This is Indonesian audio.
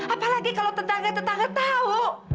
apalagi kalau tetangga tetangga tahu